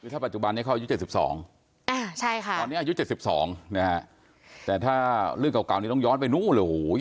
ถ้าปัจจุบันนี้เขาอายุ๗๒อายุ๗๒แต่ถ้าเรื่องเก่านี้ต้องย้อนไปนู่รึ